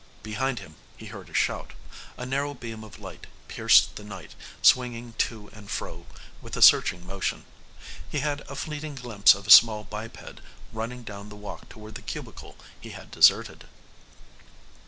Behind him he heard a shout. A narrow beam of light pierced the night, swinging to and fro with a searching motion. He had a fleeting glimpse of a small biped running down the walk toward the cubicle he had deserted.